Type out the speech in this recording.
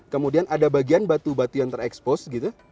kemudian ada bagian batu batu yang terekspos gitu